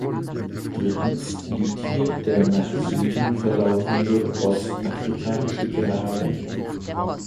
Drittens liegt hier der nach Süden verlaufende Ostafrikanische Graben.